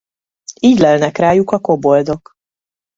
Így lelnek rájuk a koboldok.